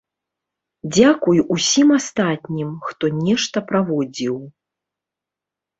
Дзякуй усім астатнім, хто нешта праводзіў.